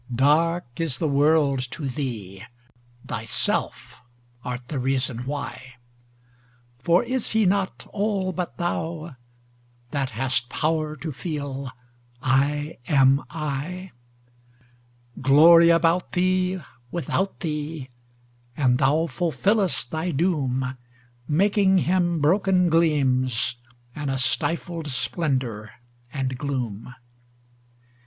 Dark is the world to thee: thyself art the reason why; For is He not all but thou, that hast power to feel 'I am I'?Glory about thee, without thee; and thou fulfillest thy doom, Making Him broken gleams, and a stifled splendour and gloom.